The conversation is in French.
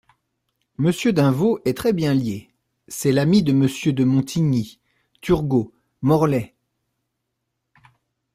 Monsieur d'Invaux est très-bien lié : c'est l'ami de MMonsieur de Montigny, Turgot, Morellet.